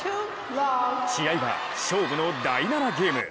試合は勝負の第７ゲーム。